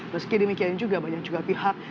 meski demikian juga banyak juga pihak